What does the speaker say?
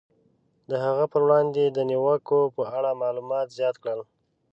د هغه پر وړاندې د نیوکو په اړه معلومات زیات کړل.